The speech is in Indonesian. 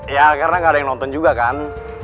ya karena gak ada yang nonton juga kan